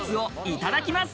いただきます。